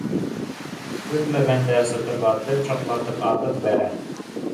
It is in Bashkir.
Көтмәгән дә сытырлатып-шартлатып атып бәрә